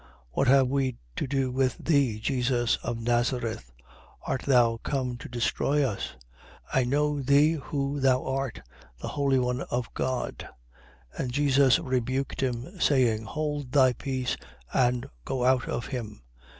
What have we to do with thee, Jesus of Nazareth? Art thou come to destroy us? I know thee who thou art, the holy one of God. 4:35. And Jesus rebuked him, saying: Hold thy peace and go out of him.